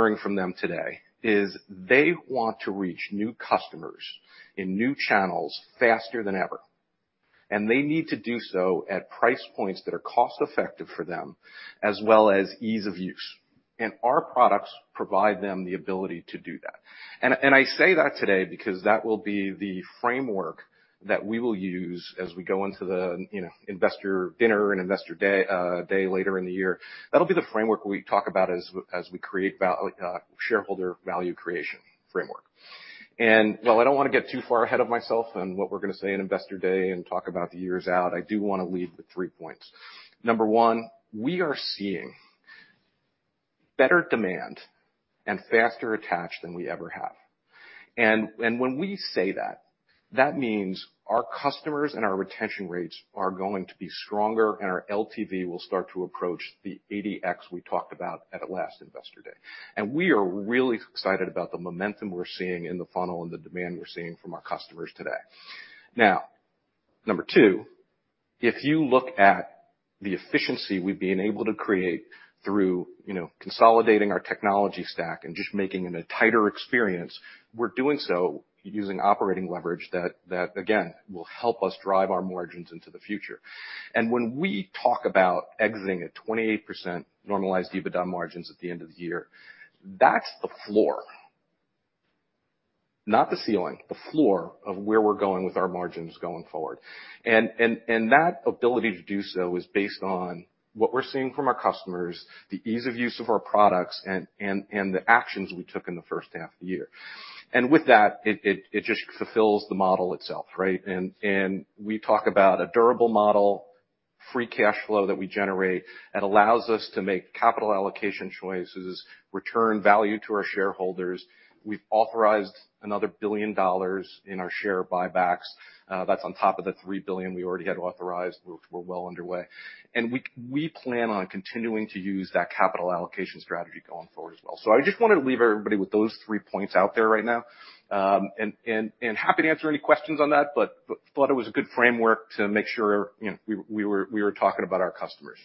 Hearing from them today is they want to reach new customers in new channels faster than ever, and they need to do so at price points that are cost-effective for them, as well as ease of use. And our products provide them the ability to do that. And I say that today, because that will be the framework that we will use as we go into the, you know, Investor Dinner and Investor Day, later in the year. That'll be the framework we talk about as we create shareholder value creation framework. And while I don't want to get too far ahead of myself and what we're going to say in Investor Day and talk about the years out, I do want to leave with three points. Number one, we are seeing better demand and faster attach than we ever have. And when we say that, that means our customers and our retention rates are going to be stronger, and our LTV will start to approach the 80x we talked about at our last Investor Day. And we are really excited about the momentum we're seeing in the funnel and the demand we're seeing from our customers today. Now, number two, if you look at the efficiency we've been able to create through, you know, consolidating our technology stack and just making it a tighter experience, we're doing so using operating leverage that again will help us drive our margins into the future. And when we talk about exiting at 28% normalized EBITDA margins at the end of the year, that's the floor. Not the ceiling, the floor of where we're going with our margins going forward. That ability to do so is based on what we're seeing from our customers, the ease of use of our products, and the actions we took in the first half of the year. With that, it just fulfills the model itself, right? We talk about a durable model, free cash flow that we generate, that allows us to make capital allocation choices, return value to our shareholders. We've authorized another $1 billion in our share buybacks. That's on top of the $3 billion we already had authorized. We're well underway. We plan on continuing to use that capital allocation strategy going forward as well. I just wanted to leave everybody with those three points out there right now. happy to answer any questions on that, but thought it was a good framework to make sure, you know, we were talking about our customers.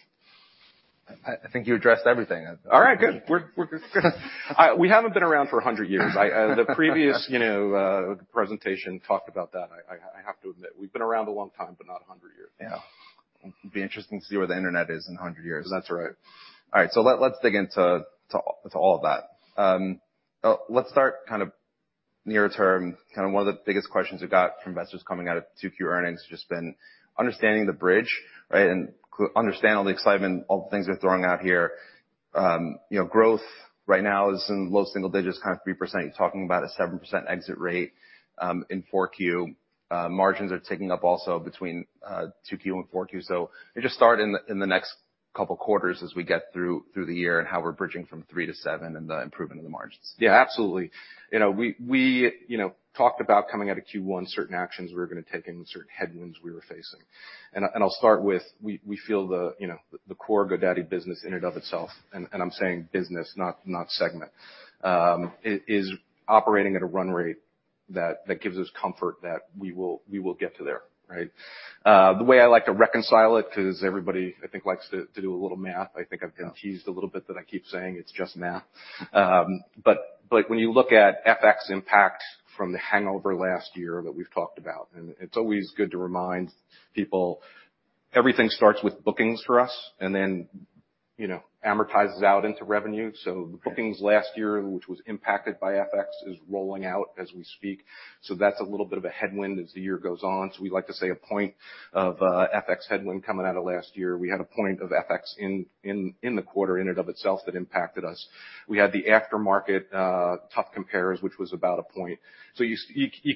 I think you addressed everything. All right, good. We're good. We haven't been around for 100 years. The previous, you know, presentation talked about that. I have to admit, we've been around a long time, but not 100 years. Yeah. It'll be interesting to see where the internet is in 100 years. That's right. All right, so let's dig into all of that. Let's start kind of near term. Kind of one of the biggest questions we got from investors coming out of 2Q earnings, just been understanding the bridge, right? And understand all the excitement, all the things we're throwing out here. You know, growth right now is in low single digits, kind of 3%. You're talking about a 7% exit rate in 4Q. Margins are ticking up also between 2Q and 4Q. So just start in the next couple quarters as we get through the year, and how we're bridging from 3%-7% and the improvement of the margins. Yeah, absolutely. You know, we talked about coming out of Q1, certain actions we were going to take and the certain headwinds we were facing. And I'll start with, we feel the, you know, the core GoDaddy business in and of itself, and I'm saying business, not segment, is operating at a run rate that gives us comfort that we will get to there, right? The way I like to reconcile it, because everybody, I think, likes to do a little math. I think I've been teased a little bit that I keep saying it's just math. But when you look at FX impact from the hangover last year that we've talked about, and it's always good to remind people, everything starts with bookings for us and then, you know, amortizes out into revenue. So the bookings last year, which was impacted by FX, is rolling out as we speak. So that's a little bit of a headwind as the year goes on. So we like to say a point of FX headwind coming out of last year. We had a point of FX in the quarter in and of itself that impacted us. We had the aftermarket tough compares, which was about a point. So you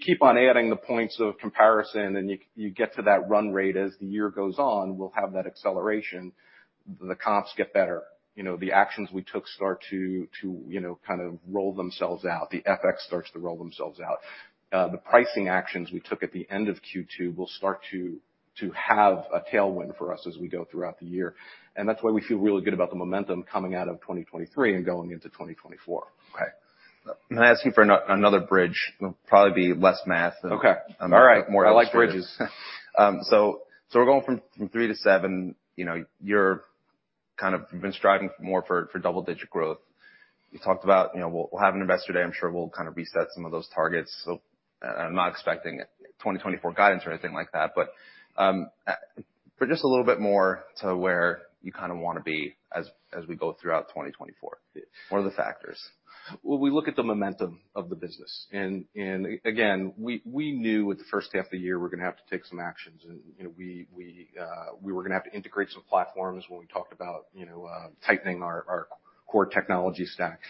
keep on adding the points of comparison, and you get to that run rate. As the year goes on, we'll have that acceleration. The comps get better, you know, the actions we took start to, you know, kind of roll themselves out. The FX starts to roll themselves out. The pricing actions we took at the end of Q2 will start to have a tailwind for us as we go throughout the year. That's why we feel really good about the momentum coming out of 2023 and going into 2024. Okay. I'm asking for another bridge. It'll probably be less math than- Okay. All right. More- I like bridges. So we're going from 3%-%7. You know, you've been striving more for double-digit growth. You talked about, you know, we'll have an investor day. I'm sure we'll kind of reset some of those targets. So I'm not expecting 2024 guidance or anything like that, but just a little bit more to where you kind of want to be as we go throughout 2024. What are the factors? Well, we look at the momentum of the business. Again, we knew with the first half of the year we were going to have to take some actions, and, you know, we were going to have to integrate some platforms when we talked about, you know, tightening our core technology stack.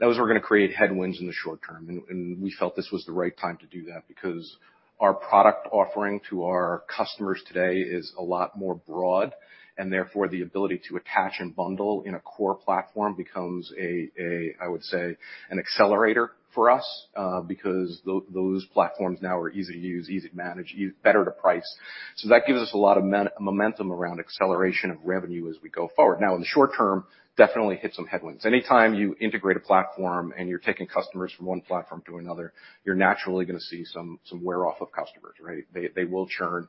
That was we're going to create headwinds in the short term, and we felt this was the right time to do that because our product offering to our customers today is a lot more broad, and therefore, the ability to attach and bundle in a core platform becomes a, I would say, an accelerator for us, because those platforms now are easy to use, easy to manage, better to price. So that gives us a lot of momentum around acceleration of revenue as we go forward. Now, in the short term, definitely hit some headwinds. Anytime you integrate a platform and you're taking customers from one platform to another, you're naturally going to see some wear off of customers, right? They will churn.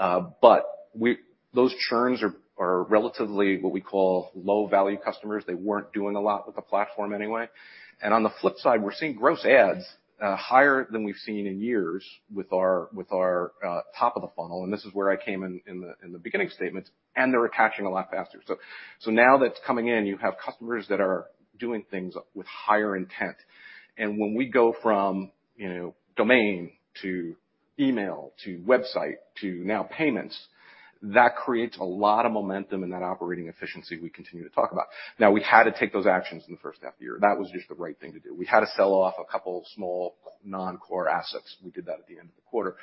But those churns are relatively what we call low-value customers. They weren't doing a lot with the platform anyway. And on the flip side, we're seeing gross adds higher than we've seen in years with our top of the funnel, and this is where I came in in the beginning statements, and they're attaching a lot faster. So now that's coming in, you have customers that are doing things with higher intent. And when we go from, you know, domain to...... Email to website to now payments, that creates a lot of momentum in that operating efficiency we continue to talk about. Now, we had to take those actions in the first half of the year. That was just the right thing to do. We had to sell off a couple of small non-core assets. We did that at the end of the quarter.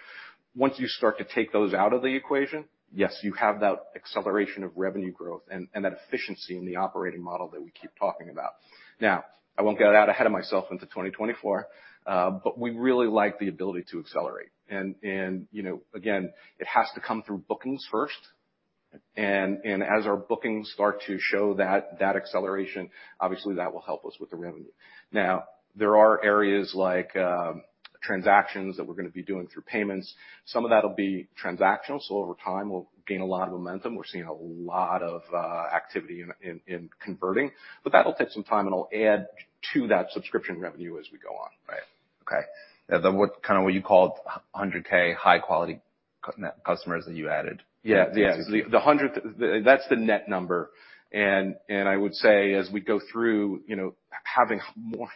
Once you start to take those out of the equation, yes, you have that acceleration of revenue growth and, and that efficiency in the operating model that we keep talking about. Now, I won't get out ahead of myself into 2024, but we really like the ability to accelerate. And, and, you know, again, it has to come through bookings first. And, and as our bookings start to show that, that acceleration, obviously, that will help us with the revenue. Now, there are areas like transactions that we're going to be doing through payments. Some of that will be transactional, so over time, we'll gain a lot of momentum. We're seeing a lot of activity in converting, but that'll take some time, and it'll add to that subscription revenue as we go on. Right. Okay. Then what, kind of what you called 100,000 high-quality customers that you added? Yeah. Yeah. The 100... That's the net number. And, and I would say, as we go through, you know, having more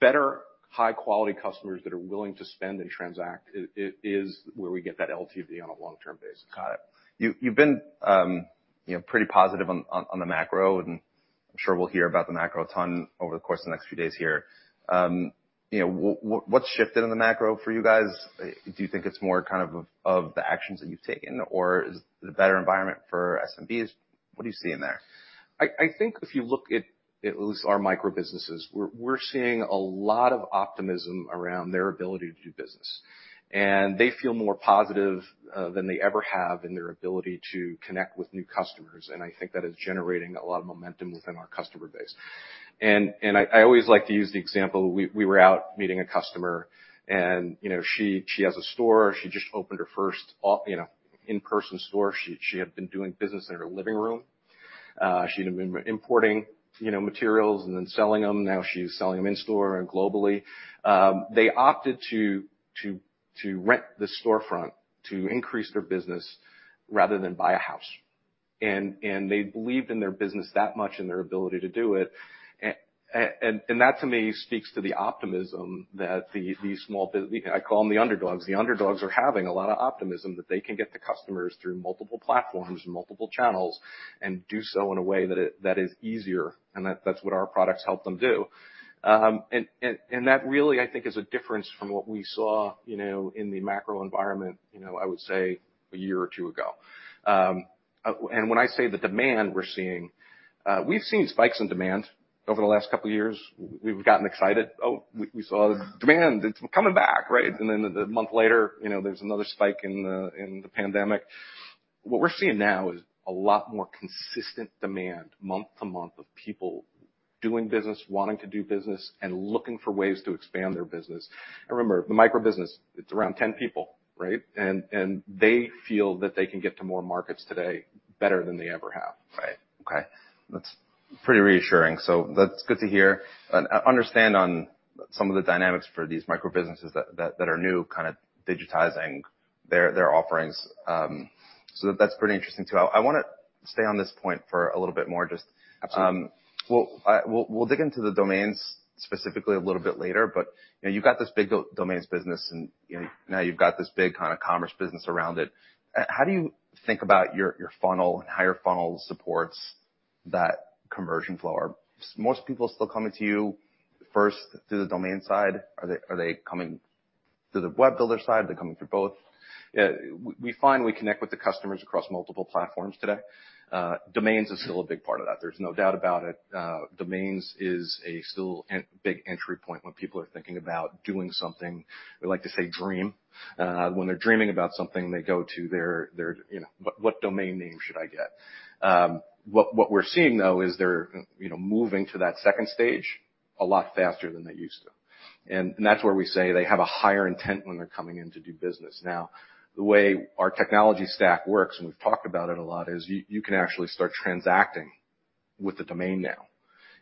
better high-quality customers that are willing to spend and transact, it, it is where we get that LTV on a long-term basis. Got it. You've been, you know, pretty positive on the macro, and I'm sure we'll hear about the macro a ton over the course of the next few days here. You know, what's shifted in the macro for you guys? Do you think it's more kind of the actions that you've taken, or is the better environment for SMBs? What are you seeing there? I think if you look at least our micro businesses, we're seeing a lot of optimism around their ability to do business, and they feel more positive than they ever have in their ability to connect with new customers, and I think that is generating a lot of momentum within our customer base. I always like to use the example. We were out meeting a customer, and, you know, she has a store. She just opened her first offline, you know, in-person store. She had been doing business in her living room. She'd been importing, you know, materials and then selling them. Now she's selling them in store and globally. They opted to rent the storefront to increase their business rather than buy a house. They believed in their business that much and their ability to do it. And that, to me, speaks to the optimism that the small business, I call them the underdogs. The underdogs are having a lot of optimism that they can get the customers through multiple platforms, multiple channels, and do so in a way that is easier, and that's what our products help them do. And that really, I think, is a difference from what we saw, you know, in the macro environment, you know. I would say a year or two ago. And when I say the demand we're seeing, we've seen spikes in demand over the last couple of years. We've gotten excited. Oh, we saw demand. It's coming back, right? Then a month later, you know, there's another spike in the pandemic. What we're seeing now is a lot more consistent demand, month to month, of people doing business, wanting to do business, and looking for ways to expand their business. And remember, the microbusiness, it's around 10 people, right? And they feel that they can get to more markets today better than they ever have. Right. Okay. That's pretty reassuring, so that's good to hear. Understand on some of the dynamics for these micro businesses that are new, kind of digitizing their offerings. So that's pretty interesting, too. I want to stay on this point for a little bit more, just- Absolutely. We'll dig into the domains specifically a little bit later, but, you know, you've got this big domains business, and, you know, now you've got this big kind of commerce business around it. How do you think about your funnel and how your funnel supports that conversion flow? Are most people still coming to you first through the domain side? Are they coming through the web builder side? Are they coming through both? Yeah. We finally connect with the customers across multiple platforms today. Domains is still a big part of that. There's no doubt about it. Domains is still a big entry point when people are thinking about doing something. We like to say dream. When they're dreaming about something, they go to their you know, what domain name should I get? What we're seeing, though, is they're you know, moving to that second stage a lot faster than they used to. And that's where we say they have a higher intent when they're coming in to do business. Now, the way our technology stack works, and we've talked about it a lot, is you can actually start transacting with the domain now,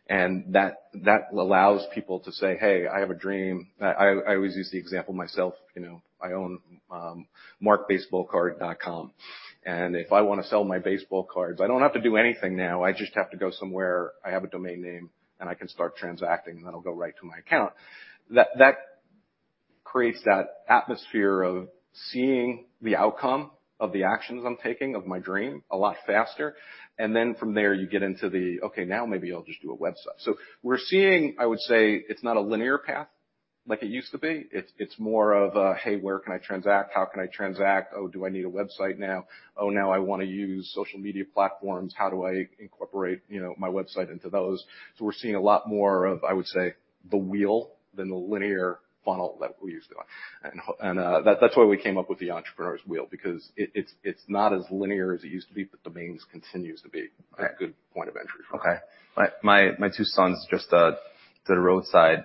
and that allows people to say, "Hey, I have a dream." I always use the example myself, you know, I own markbaseballcard.com, and if I want to sell my baseball cards, I don't have to do anything now. I just have to go somewhere. I have a domain name, and I can start transacting, and that'll go right to my account. That creates that atmosphere of seeing the outcome of the actions I'm taking of my dream a lot faster, and then from there, you get into the, "Okay, now maybe I'll just do a website." So we're seeing, I would say, it's not a linear path like it used to be. It's more of a, "Hey, where can I transact? How can I transact? Oh, do I need a website now? Oh, now I want to use social media platforms. How do I incorporate, you know, my website into those?" So we're seeing a lot more of, I would say, the wheel than the linear funnel that we used to. And that's why we came up with the Entrepreneur's Wheel, because it's not as linear as it used to be, but domains continues to be- Okay. a good point of entry. Okay. My two sons just did a roadside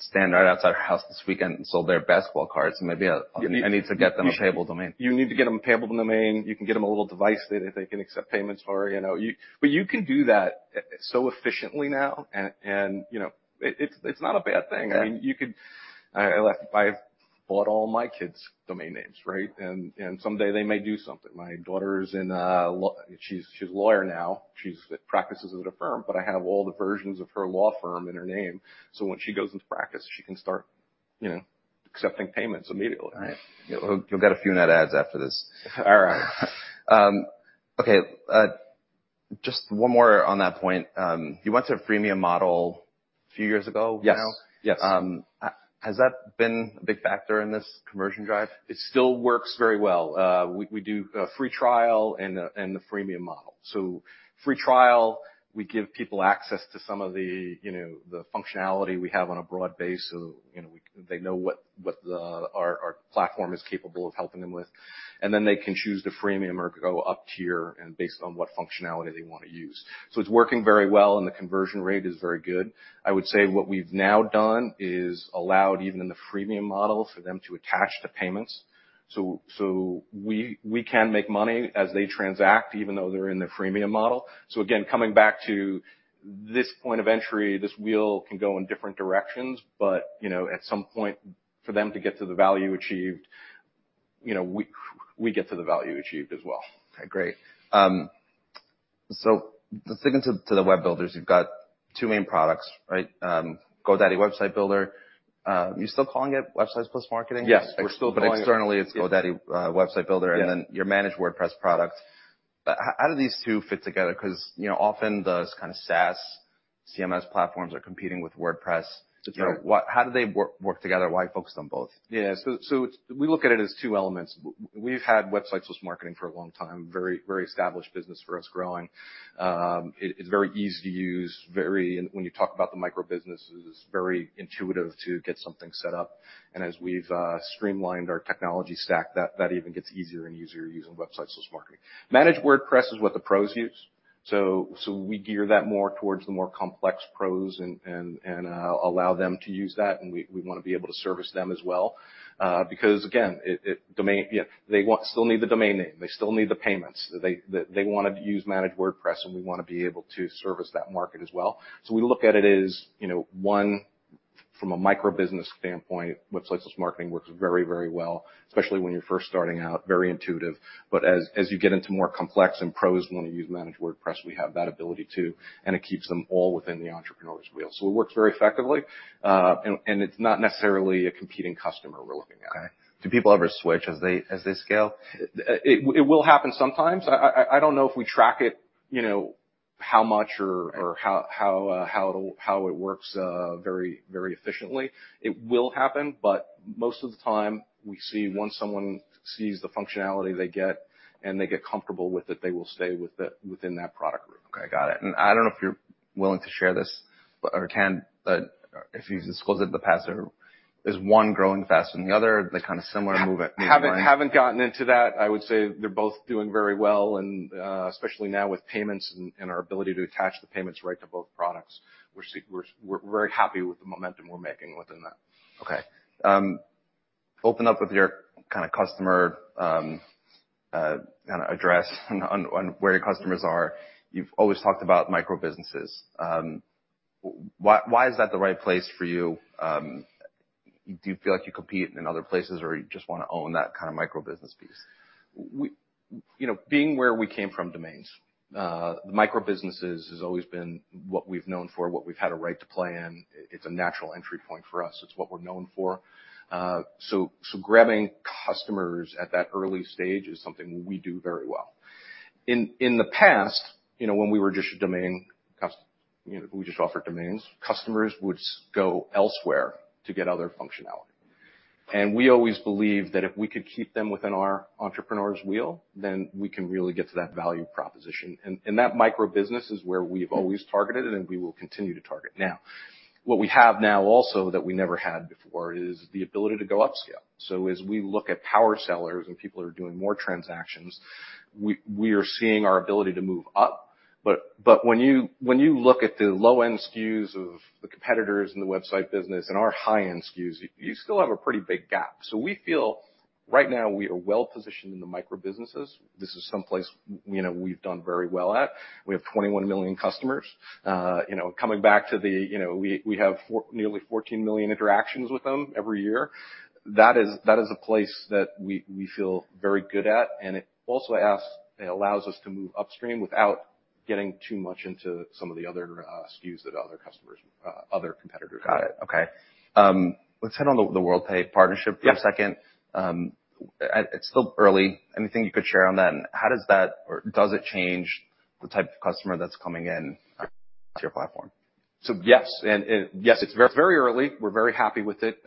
stand right outside our house this weekend and sold their baseball cards. Maybe I need to get them a Payable Domain. You need to get them a Payable Domain. You can get them a little device that they can accept payments for, you know. But you can do that so efficiently now, and you know, it's not a bad thing. Yeah. I mean, you could... I, I've bought all my kids' domain names, right? And someday they may do something. My daughter is in law... She's a lawyer now. She practices at a firm, but I have all the versions of her law firm in her name, so when she goes into practice, she can start, you know, accepting payments immediately. Right. You'll get a few net adds after this. All right.... Okay, just one more on that point. You went to a freemium model a few years ago now? Yes, yes. Has that been a big factor in this conversion drive? It still works very well. We do free trial and the freemium model. So free trial, we give people access to some of the, you know, the functionality we have on a broad base, so, you know, they know what the our platform is capable of helping them with. And then they can choose the freemium or go up tier and based on what functionality they want to use. So it's working very well, and the conversion rate is very good. I would say what we've now done is allowed, even in the freemium model, for them to attach the payments. So we can make money as they transact, even though they're in the freemium model. So again, coming back to this point of entry, this wheel can go in different directions, but, you know, at some point, for them to get to the value achieved, you know, we get to the value achieved as well. Okay, great. So let's dig into the web builders. You've got two main products, right? GoDaddy Website Builder. Are you still calling it Websites + Marketing? Yes, we're still calling it- But externally, it's GoDaddy Website Builder- Yeah. and then your Managed WordPress product. But how, how do these two fit together? Because, you know, often those kind of SaaS CMS platforms are competing with WordPress. Sure. What... How do they work together? Why focus on both? Yeah. So we look at it as two elements. We've had Websites + Marketing for a long time, very established business for us growing. It’s very easy to use, very. When you talk about the micro businesses, it’s very intuitive to get something set up, and as we’ve streamlined our technology stack, that even gets easier and easier using Websites + Marketing. Managed WordPress is what the pros use, so we gear that more towards the more complex pros and allow them to use that, and we want to be able to service them as well. Because again, they still need the domain name. They still need the payments. They want to use managed WordPress, and we want to be able to service that market as well. So we look at it as, you know, one, from a Microbusiness standpoint, Websites + Marketing works very, very well, especially when you're first starting out, very intuitive. But as, as you get into more complex and pros want to use Managed WordPress, we have that ability, too, and it keeps them all within the Entrepreneur's Wheel. So it works very effectively, and, and it's not necessarily a competing customer we're looking at. Okay. Do people ever switch as they, as they scale? It will happen sometimes. I don't know if we track it, you know, how much or how it'll, how it works, very efficiently. It will happen, but most of the time, we see once someone sees the functionality they get and they get comfortable with it, they will stay with it, within that product group. Okay, got it. And I don't know if you're willing to share this or can, if you've disclosed it in the past, or... Is one growing faster than the other? They're kind of similar move at- Haven't gotten into that. I would say they're both doing very well, and especially now with payments and our ability to attach the payments right to both products. We're very happy with the momentum we're making within that. Okay. Open up with your kind of customer, kind of address on, on where your customers are. You've always talked about microbusinesses. Why, why is that the right place for you? Do you feel like you compete in other places, or you just want to own that kind of microbusiness piece? We, you know, being where we came from, domains, the microbusinesses has always been what we've known for, what we've had a right to play in. It's a natural entry point for us. It's what we're known for. So, grabbing customers at that early stage is something we do very well. In the past, you know, when we were just a domain, you know, we just offered domains, customers would go elsewhere to get other functionality. And we always believed that if we could keep them within our entrepreneurs wheel, then we can really get to that value proposition. And that microbusiness is where we've always targeted, and we will continue to target. Now, what we have now also that we never had before is the ability to go upscale. So as we look at power sellers and people who are doing more transactions, we are seeing our ability to move up. But when you look at the low-end SKUs of the competitors in the website business and our high-end SKUs, you still have a pretty big gap. So we feel right now we are well positioned in the microbusinesses. This is someplace, you know, we've done very well at. We have 21 million customers. You know, coming back to the, you know, we have nearly 14 million interactions with them every year. That is a place that we feel very good at, and it allows us to move upstream without getting too much into some of the other SKUs that other customers, other competitors have. Got it. Okay. Let's hit on the, the Worldpay partnership for a second. Yeah. It's still early. Anything you could share on that? And how does that or does it change the type of customer that's coming in to your platform? Yes, it's very, very early. We're very happy with it.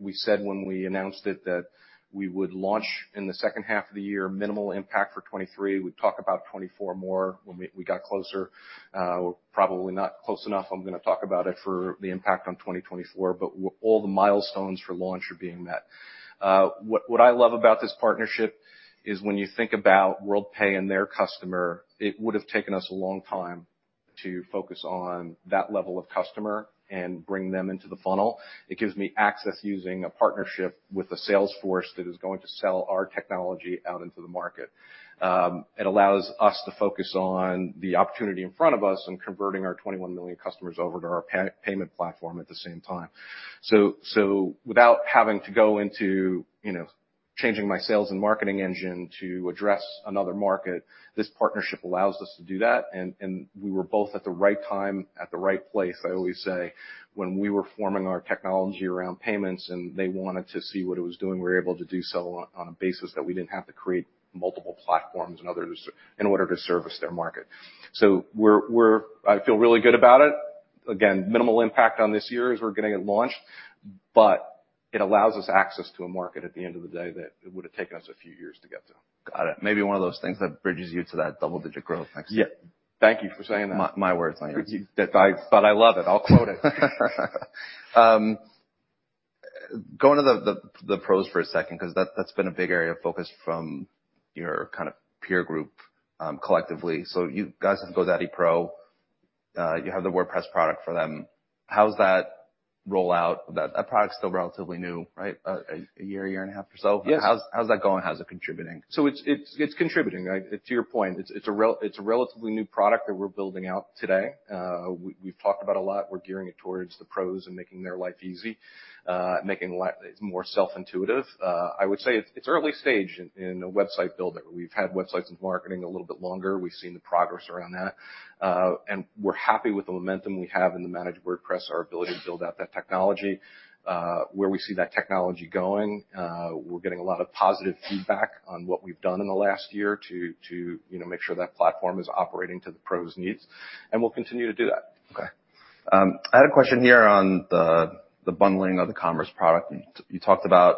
We said when we announced it, that we would launch in the second half of the year, minimal impact for 2023. We'd talk about 2024 more when we got closer. We're probably not close enough. I'm going to talk about it for the impact on 2024, but all the milestones for launch are being met. What I love about this partnership is when you think about Worldpay and their customer, it would have taken us a long time to focus on that level of customer and bring them into the funnel. It gives me access using a partnership with a sales force that is going to sell our technology out into the market. It allows us to focus on the opportunity in front of us and converting our 21 million customers over to our payment platform at the same time. So without having to go into, you know, changing my sales and marketing engine to address another market, this partnership allows us to do that, and we were both at the right time, at the right place, I always say, when we were forming our technology around payments, and they wanted to see what it was doing, we were able to do so on a basis that we didn't have to create multiple platforms and others, in order to service their market. So we're—I feel really good about it. Again, minimal impact on this year as we're getting it launched, but it allows us access to a market at the end of the day that it would have taken us a few years to get to. Got it. Maybe one of those things that bridges you to that double-digit growth next year. Yeah. Thank you for saying that. My, my words. But I love it. I'll quote it. Going to the pros for a second because that's been a big area of focus from your kind of peer group, collectively. So you guys have GoDaddy Pro, you have the WordPress product for them. How's that roll out? That product is still relatively new, right? A year and a half or so. Yes. How's that going? How's it contributing? So it's contributing, right? To your point, it's a relatively new product that we're building out today. We've talked about a lot. We're gearing it towards the pros and making their life easy, making life more self-intuitive. I would say it's early stage in a website builder. We've had Websites + Marketing a little bit longer. We've seen the progress around that, and we're happy with the momentum we have in the Managed WordPress, our ability to build out that technology, where we see that technology going. We're getting a lot of positive feedback on what we've done in the last year to, you know, make sure that platform is operating to the pros' needs, and we'll continue to do that. Okay. I had a question here on the bundling of the commerce product. You talked about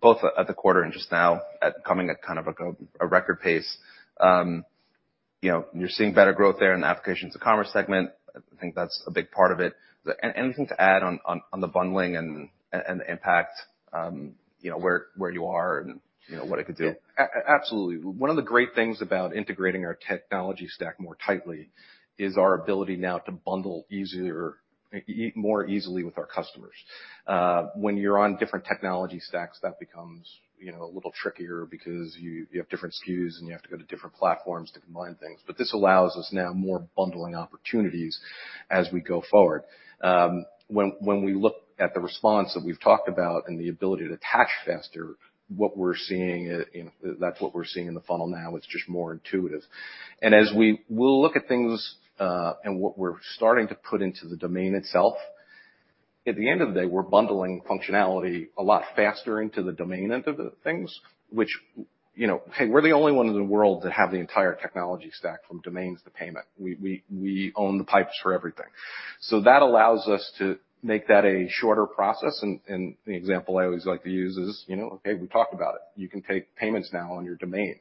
both at the quarter and just now, coming at kind of a record pace. You know, you're seeing better growth there in the Applications and Commerce segment. I think that's a big part of it. Anything to add on the bundling and the impact, you know, where you are and, you know, what it could do? Yeah. Absolutely. One of the great things about integrating our technology stack more tightly is our ability now to bundle easier, more easily with our customers. When you're on different technology stacks, that becomes, you know, a little trickier because you have different SKUs, and you have to go to different platforms to combine things. But this allows us now more bundling opportunities as we go forward. When we look at the response that we've talked about and the ability to attach faster, what we're seeing, you know, that's what we're seeing in the funnel now, it's just more intuitive. As we'll look at things and what we're starting to put into the domain itself, at the end of the day, we're bundling functionality a lot faster into the domain end of the things, which, you know, hey, we're the only one in the world that have the entire technology stack, from domains to payment. We own the pipes for everything. So that allows us to make that a shorter process, and the example I always like to use is, you know, okay, we talked about it. You can take payments now on your domain.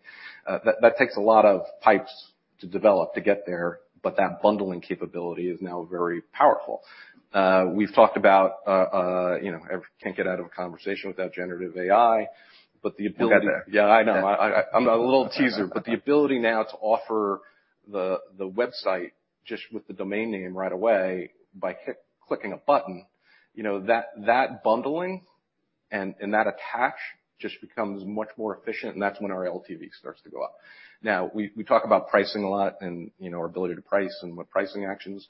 That takes a lot of pipes to develop to get there, but that bundling capability is now very powerful. We've talked about, you know, I can't get out of a conversation without generative AI, but the ability- We'll get there. Yeah, I know. I'm a little teaser, but the ability now to offer the website just with the domain name right away by clicking a button, you know, that bundling and that attach just becomes much more efficient, and that's when our LTV starts to go up. Now, we talk about pricing a lot and, you know, our ability to price and what pricing actions.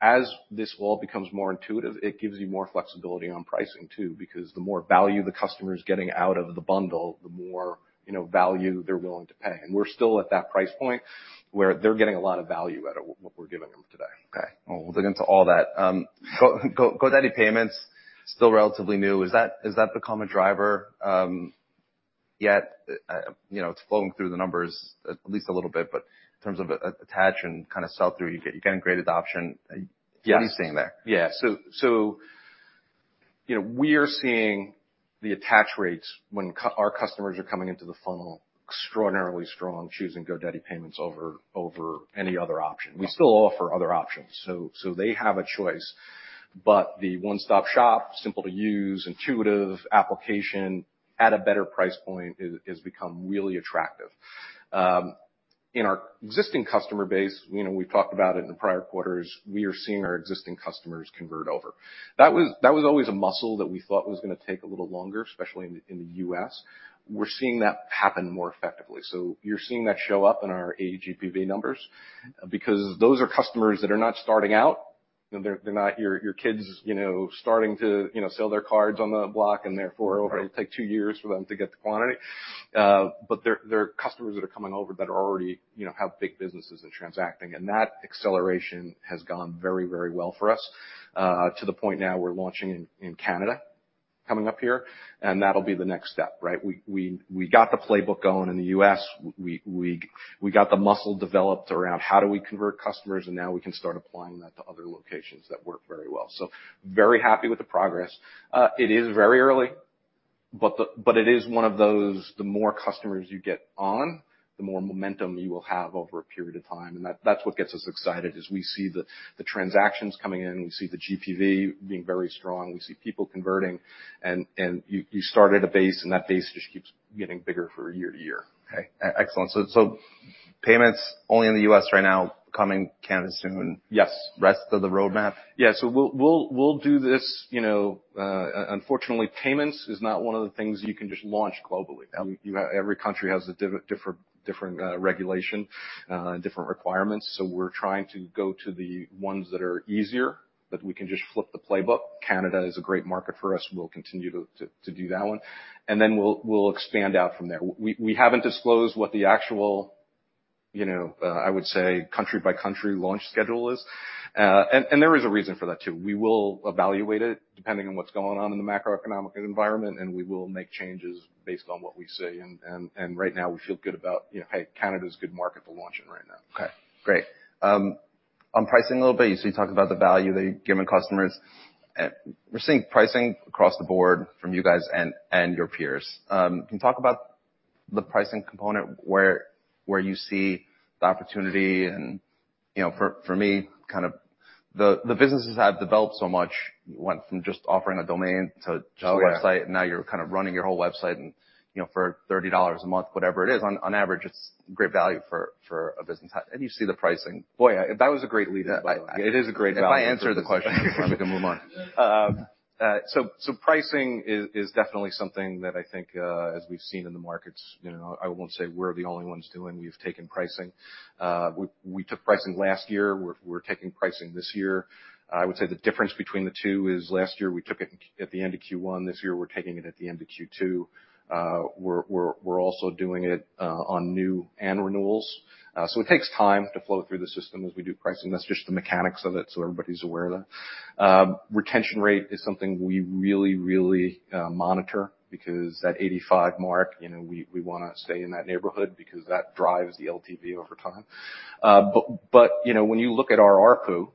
As this all becomes more intuitive, it gives you more flexibility on pricing, too, because the more value the customer is getting out of the bundle, the more, you know, value they're willing to pay. And we're still at that price point where they're getting a lot of value out of what we're giving them today. Okay. Well, we'll dig into all that. GoDaddy Payments, still relatively new. Is that, is that the common driver? Yet, you know, it's flowing through the numbers at least a little bit, but in terms of attach and kind of sell through, you're getting great adoption. Yes. What are you seeing there? Yeah. So, you know, we are seeing the attach rates when our customers are coming into the funnel extraordinarily strong, choosing GoDaddy Payments over any other option. We still offer other options, so they have a choice. But the one-stop shop, simple to use, intuitive application at a better price point is become really attractive. In our existing customer base, you know, we've talked about it in the prior quarters, we are seeing our existing customers convert over. That was always a muscle that we thought was going to take a little longer, especially in the U.S. We're seeing that happen more effectively. So you're seeing that show up in our GPV numbers, because those are customers that are not starting out. They're not your kids, you know, starting to, you know, sell their cards on the block, and therefore- Right... it'll take two years for them to get the quantity. But they're customers that are coming over that are already, you know, have big businesses and transacting, and that acceleration has gone very, very well for us, to the point now we're launching in Canada, coming up here, and that'll be the next step, right? We got the playbook going in the U.S. We got the muscle developed around how do we convert customers, and now we can start applying that to other locations that work very well. So very happy with the progress. It is very early, but it is one of those, the more customers you get on, the more momentum you will have over a period of time, and that's what gets us excited, is we see the transactions coming in, we see the GPV being very strong, we see people converting, and you start at a base, and that base just keeps getting bigger for year to year. Okay, excellent. So, payments only in the U.S. right now, coming to Canada soon? Yes. Rest of the roadmap? Yeah, so we'll do this, you know. Unfortunately, payments is not one of the things you can just launch globally. Yeah. You have every country has a different regulation, different requirements, so we're trying to go to the ones that are easier, that we can just flip the playbook. Canada is a great market for us. We'll continue to do that one, and then we'll expand out from there. We haven't disclosed what the actual, you know, I would say, country-by-country launch schedule is, and there is a reason for that, too. We will evaluate it, depending on what's going on in the macroeconomic environment, and we will make changes based on what we see. Right now, we feel good about, you know, hey, Canada is a good market for launching right now. Okay, great. On pricing a little bit, you see, you talk about the value that you're giving customers. We're seeing pricing across the board from you guys and your peers. Can you talk about the pricing component where you see the opportunity and, you know, for me, kind of the businesses have developed so much, went from just offering a domain to just a website. Oh, yeah. And now you're kind of running your whole website and, you know, for $30 a month, whatever it is, on, on average, it's great value for, for a business. How do you see the pricing? Boy, that was a great lead-in, by the way. It is a great value. If I answered the question, we can move on. So pricing is definitely something that I think, as we've seen in the markets, you know, I won't say we're the only ones doing. We've taken pricing. We took pricing last year, we're taking pricing this year. I would say the difference between the two is last year, we took it at the end of Q1. This year, we're taking it at the end of Q2. We're also doing it on new and renewals. So it takes time to flow through the system as we do pricing. That's just the mechanics of it, so everybody's aware of that. Retention rate is something we really, really monitor because that 85 mark, you know, we wanna stay in that neighborhood because that drives the LTV over time. But, you know, when you look at our ARPU,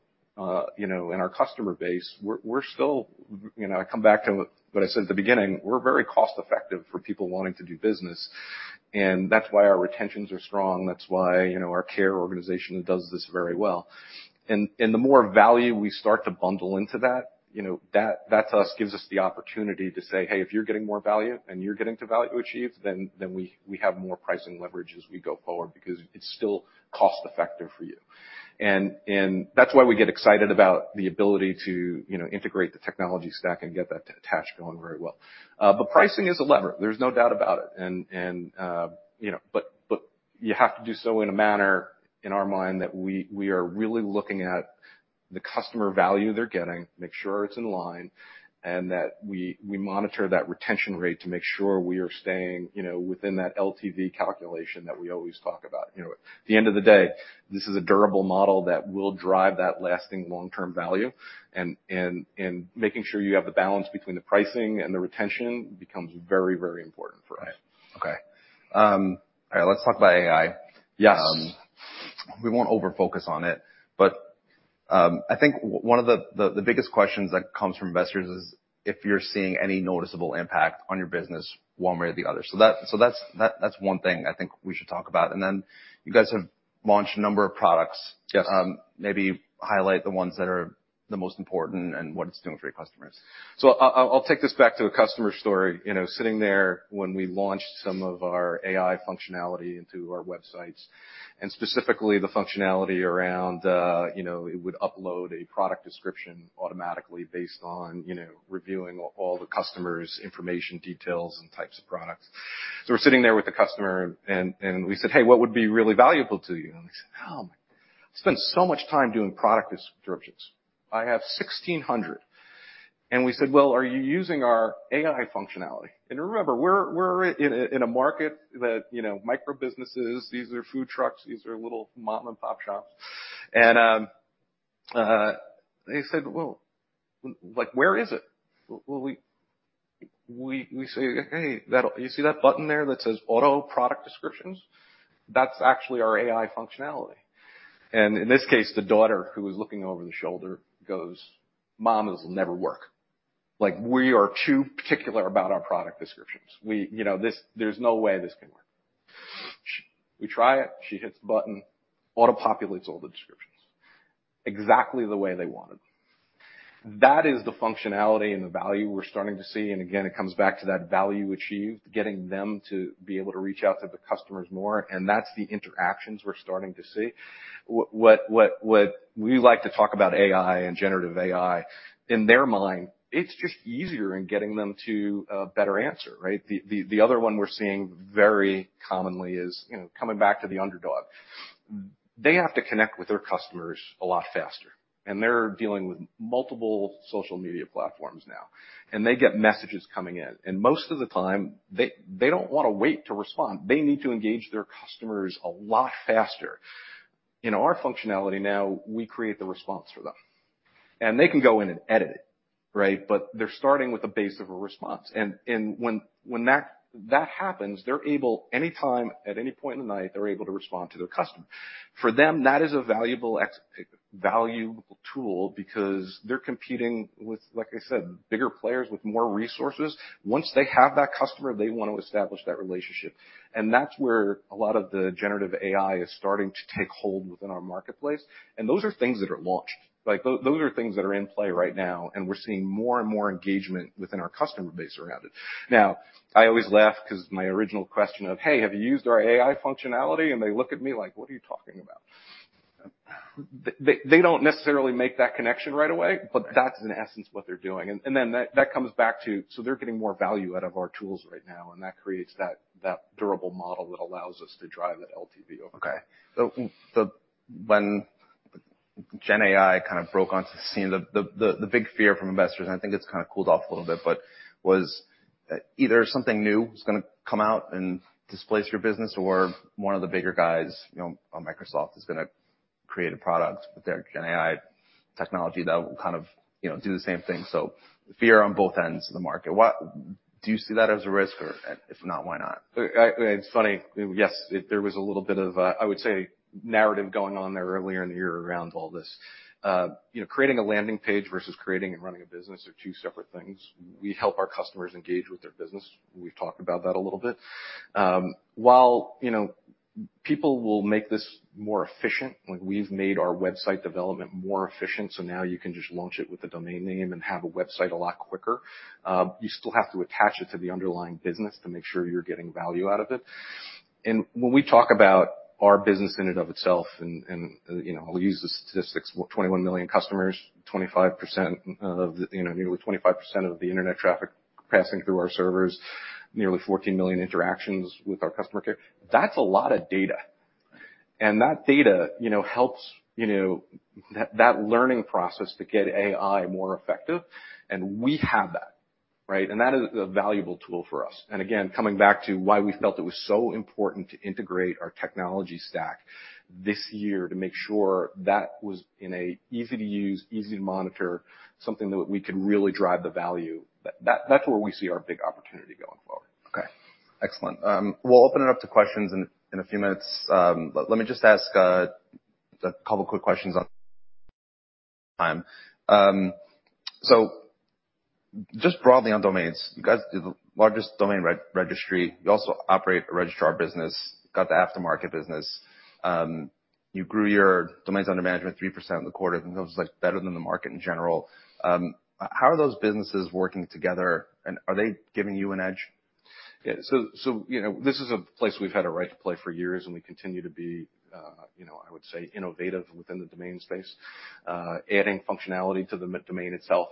you know, and our customer base, we're still, you know, I come back to what I said at the beginning, we're very cost-effective for people wanting to do business, and that's why our retentions are strong. That's why, you know, our care organization does this very well. The more value we start to bundle into that, you know, that to us, gives us the opportunity to say, "Hey, if you're getting more value and you're getting the value achieved, then we have more pricing leverage as we go forward because it's still cost-effective for you." That's why we get excited about the ability to, you know, integrate the technology stack and get that attach going very well. But pricing is a lever, there's no doubt about it. You know, but you have to do so in a manner, in our mind, that we are really looking at the customer value they're getting, make sure it's in line, and that we monitor that retention rate to make sure we are staying, you know, within that LTV calculation that we always talk about. You know, at the end of the day, this is a durable model that will drive that lasting long-term value, and making sure you have the balance between the pricing and the retention becomes very, very important for us. Right. Okay. All right, let's talk about AI. Yes. We won't over-focus on it, but, I think one of the biggest questions that comes from investors is if you're seeing any noticeable impact on your business one way or the other. So that's one thing I think we should talk about. And then you guys have launched a number of products. Yes. Maybe highlight the ones that are the most important and what it's doing for your customers. So I'll take this back to a customer story. You know, sitting there when we launched some of our AI functionality into our websites, and specifically the functionality around, you know, it would upload a product description automatically based on, you know, reviewing all the customer's information, details, and types of products. So we're sitting there with the customer and we said: Hey, what would be really valuable to you? And he said, "Oh, I spend so much time doing product descriptions. I have 1,600." And we said: Well, are you using our AI functionality? And remember, we're in a market that, you know, micro businesses, these are food trucks, these are little mom-and-pop shops. And they said: "Well, like, where is it?" We say, "Hey, that, you see that button there that says Auto Product Descriptions? That's actually our AI functionality." And in this case, the daughter, who was looking over her shoulder, goes, "Mom, this will never work. Like, we are too particular about our product descriptions. We... You know, this - there's no way this can work." We try it, she hits the button, auto-populates all the descriptions exactly the way they wanted. That is the functionality and the value we're starting to see, and again, it comes back to that value achieved, getting them to be able to reach out to the customers more, and that's the interactions we're starting to see. When we like to talk about AI and generative AI, in their mind, it's just easier in getting them to a better answer, right? The other one we're seeing very commonly is, you know, coming back to the underdog. They have to connect with their customers a lot faster, and they're dealing with multiple social media platforms now, and they get messages coming in, and most of the time, they don't wanna wait to respond. They need to engage their customers a lot faster. In our functionality now, we create the response for them, and they can go in and edit it, right? But they're starting with the base of a response. And when that happens, they're able, anytime, at any point in the night, to respond to their customer. For them, that is a valuable tool because they're competing with, like I said, bigger players with more resources. Once they have that customer, they want to establish that relationship, and that's where a lot of the generative AI is starting to take hold within our marketplace, and those are things that are launched. Like, those are things that are in play right now, and we're seeing more and more engagement within our customer base around it. Now, I always laugh because my original question of, "Hey, have you used our AI functionality?" And they look at me like: "What are you talking about?" They don't necessarily make that connection right away, but that's, in essence, what they're doing. And then that comes back to... So they're getting more value out of our tools right now, and that creates that durable model that allows us to drive that LTV over. Okay. So when Gen AI kind of broke onto the scene, the big fear from investors, and I think it's kind of cooled off a little bit, but was either something new was gonna come out and displace your business, or one of the bigger guys, you know, or Microsoft, is gonna create a product with their Gen AI technology that will kind of, you know, do the same thing. So fear on both ends of the market. What do you see that as a risk, or if not, why not? It's funny. Yes, there was a little bit of, I would say, narrative going on there earlier in the year around all this. You know, creating a landing page versus creating and running a business are two separate things. We help our customers engage with their business. We've talked about that a little bit. While, you know, people will make this more efficient, like we've made our website development more efficient, so now you can just launch it with a domain name and have a website a lot quicker, you still have to attach it to the underlying business to make sure you're getting value out of it. When we talk about our business in and of itself, and you know, we'll use the statistics, 21 million customers, 25% of, you know, nearly 25% of the internet traffic passing through our servers, nearly 14 million interactions with our customer care. That's a lot of data. And that data, you know, helps, you know, that learning process to get AI more effective, and we have that, right? And that is a valuable tool for us. And again, coming back to why we felt it was so important to integrate our technology stack this year to make sure that was in a easy to use, easy to monitor, something that we could really drive the value. That, that's where we see our big opportunity going forward. Okay, excellent. We'll open it up to questions in a few minutes. But let me just ask a couple quick questions on time. So just broadly on domains, you guys are the largest domain registry. You also operate a registrar business, got the aftermarket business. You grew your domains under management 3% in the quarter, and it was, like, better than the market in general. How are those businesses working together, and are they giving you an edge? Yeah, so, you know, this is a place we've had a right to play for years, and we continue to be, you know, I would say, innovative within the domain space. Adding functionality to the domain itself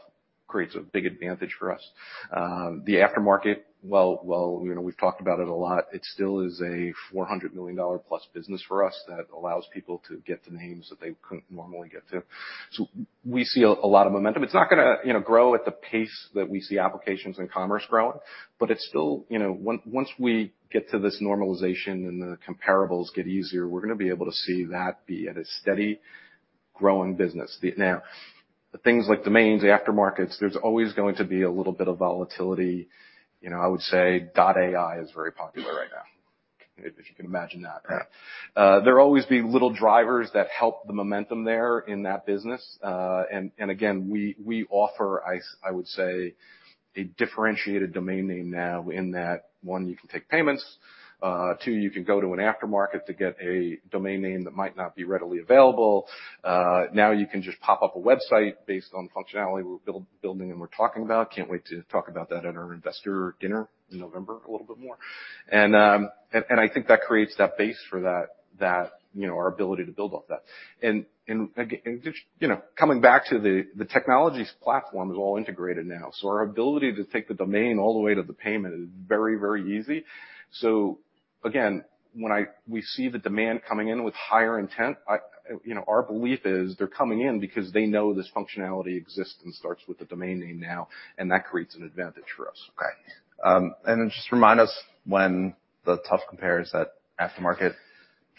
creates a big advantage for us. The aftermarket, well, you know, we've talked about it a lot. It still is a $400 million+ business for us that allows people to get the names that they couldn't normally get to. So we see a lot of momentum. It's not gonna, you know, grow at the pace that we see applications and commerce growing, but it's still... You know, once we get to this normalization and the comparables get easier, we're gonna be able to see that be at a steady, growing business. Now, things like domains, the aftermarkets, there's always going to be a little bit of volatility. You know, I would say .ai is very popular right now, if you can imagine that, right? Yeah. There will always be little drivers that help the momentum there in that business. And again, we offer—I would say—a differentiated domain name now in that, one, you can take payments, two, you can go to an aftermarket to get a domain name that might not be readily available. Now you can just pop up a website based on the functionality we're building, and we're talking about. Can't wait to talk about that at our investor dinner in November, a little bit more. And I think that creates that base for that, you know, our ability to build off that. And you know, coming back to the technology platform is all integrated now. So our ability to take the domain all the way to the payment is very, very easy. So again, when we see the demand coming in with higher intent, I, you know, our belief is they're coming in because they know this functionality exists and starts with the domain name now, and that creates an advantage for us. Okay. Then just remind us when the tough comps that aftermarket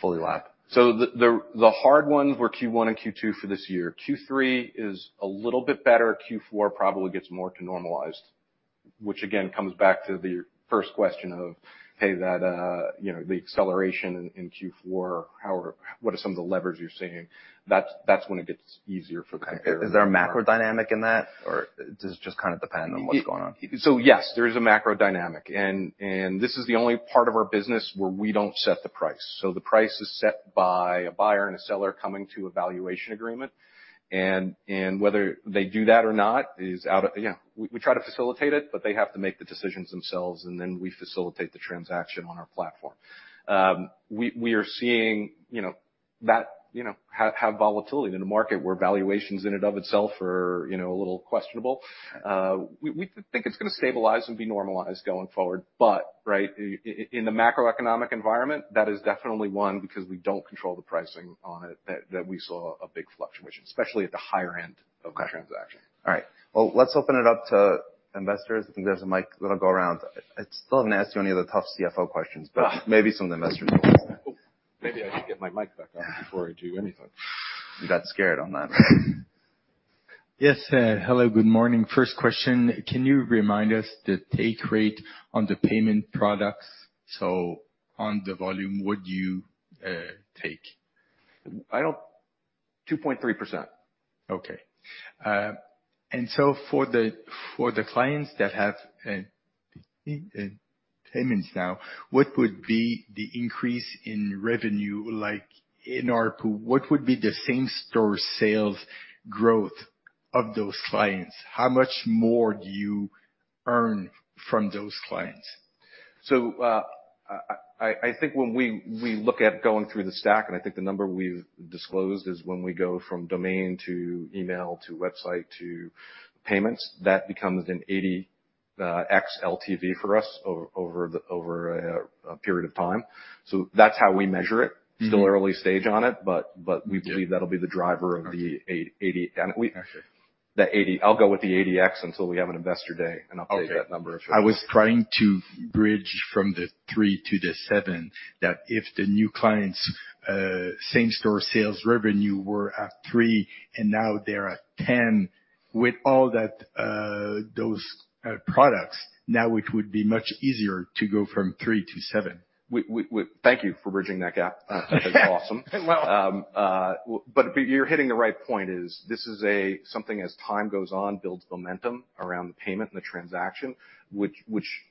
fully lap? So the hard ones were Q1 and Q2 for this year. Q3 is a little bit better. Q4 probably gets more to normalized, which again comes back to the first question of, hey, that, you know, the acceleration in Q4, how are—what are some of the levers you're seeing? That's when it gets easier for comparison. Is there a macro dynamic in that, or does it just kind of depend on what's going on? So yes, there is a macro dynamic, and this is the only part of our business where we don't set the price. So the price is set by a buyer and a seller coming to a valuation agreement, and whether they do that or not is out of... Yeah, we try to facilitate it, but they have to make the decisions themselves, and then we facilitate the transaction on our platform. We are seeing, you know, that volatility in the market where valuations in and of themselves are, you know, a little questionable. We think it's gonna stabilize and be normalized going forward, but right, in the macroeconomic environment, that is definitely one, because we don't control the pricing on it, that we saw a big fluctuation, especially at the higher end- Okay. of the transaction. All right. Well, let's open it up to investors. I think there's a mic that'll go around. I still haven't asked you any of the tough CFO questions, but maybe some of the investors will. Maybe I should get my mic back on before I do anything. You got scared on that. Yes. Hello, good morning. First question, can you remind us the take rate on the payment products? So on the volume, what do you take? I don't... 2.3%. Okay. And so for the clients that have payments now, what would be the increase in revenue? Like in ARPU, what would be the same store sales growth of those clients? How much more do you earn from those clients? So, I think when we look at going through the stack, and I think the number we've disclosed is when we go from domain to email, to website, to payments, that becomes an 80x LTV for us over a period of time. So that's how we measure it. Mm-hmm. Still early stage on it, but, but we believe- Yeah... that'll be the driver of the 80x, and we- Gotcha.... The 80, I'll go with the 80x until we have an investor day, and I'll take that number if- I was trying to bridge from the three to the seven, that if the new clients same-store sales revenue were at three and now they're at 10, with all that, those products, now it would be much easier to go from three to seven. Thank you for bridging that gap. That's awesome. Well- But you're hitting the right point, is this is a something as time goes on, builds momentum around the payment and the transaction, which,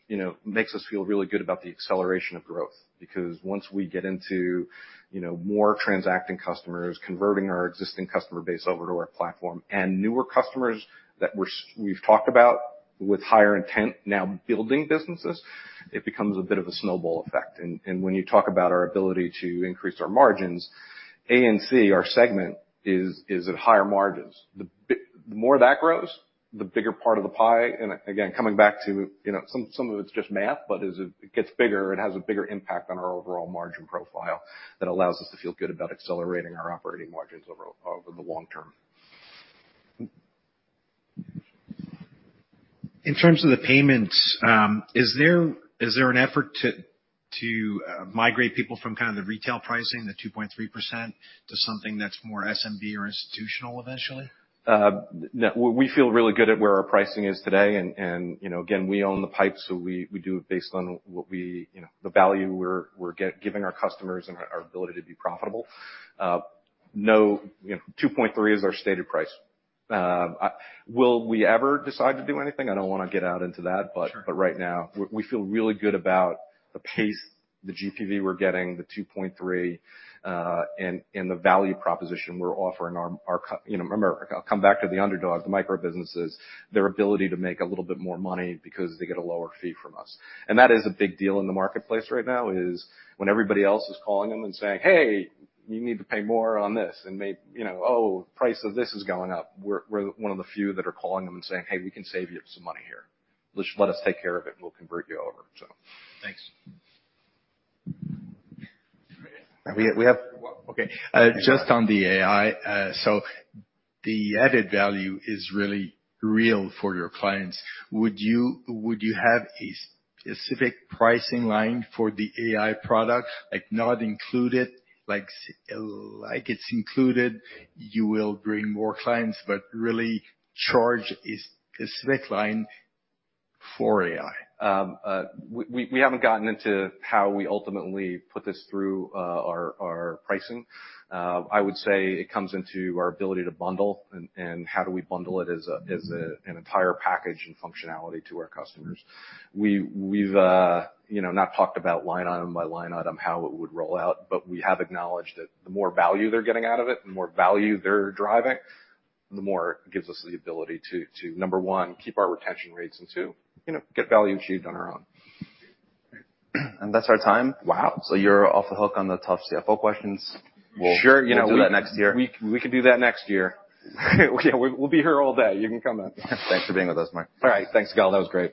you know, makes us feel really good about the acceleration of growth. Because once we get into, you know, more transacting customers, converting our existing customer base over to our platform, and newer customers that we're, we've talked about with higher intent now building businesses, it becomes a bit of a snowball effect. And when you talk about our ability to increase our margins, A and C, our segment, is at higher margins. The more that grows, the bigger part of the pie, and again, coming back to, you know, some of it's just math, but as it gets bigger, it has a bigger impact on our overall margin profile that allows us to feel good about accelerating our operating margins over the long term. In terms of the payments, is there an effort to migrate people from kind of the retail pricing, the 2.3%, to something that's more SMB or institutional eventually? No. We, we feel really good at where our pricing is today, and, and, you know, again, we own the pipe, so we, we do it based on what we, you know, the value we're, we're giving our customers and our, our ability to be profitable. No, you know, 2.3 is our stated price. Will we ever decide to do anything? I don't want to get out into that, but- Sure. But right now, we feel really good about the pace, the GPV we're getting, the 2.3, and the value proposition we're offering our customers. You know, remember, I'll come back to the underdog, the microbusinesses, their ability to make a little bit more money because they get a lower fee from us. And that is a big deal in the marketplace right now, when everybody else is calling them and saying, "Hey, you need to pay more on this," and they, you know, "Oh, price of this is going up," we're one of the few that are calling them and saying, "Hey, we can save you some money here. Just let us take care of it, and we'll convert you over." So... Thanks. We, we have... Okay. Just on the AI, so the added value is really real for your clients. Would you, would you have a specific pricing line for the AI product, like, not included? Like, it's included, you will bring more clients, but really charge a, a specific line for AI. We haven't gotten into how we ultimately put this through our pricing. I would say it comes into our ability to bundle and how do we bundle it as a- Mm-hmm. as an entire package and functionality to our customers. We've, you know, not talked about line item by line item, how it would roll out, but we have acknowledged that the more value they're getting out of it, the more value they're driving, the more it gives us the ability to, number one, keep our retention rates, and two, you know, get value achieved on our own. That's our time. Wow! You're off the hook on the tough CFO questions. Sure, you know- We'll do that next year. We can do that next year. Yeah, we'll be here all day. You can come back. Thanks for being with us, Mark. All right. Thanks, guys. That was great.